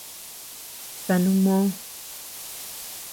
Kanuu moo.